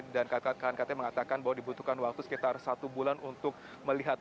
dan knkt mengatakan bahwa dibutuhkan waktu sekitar satu bulan untuk melihat